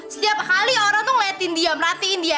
setiap kali orang tuh ngeliatin dia merhatiin dia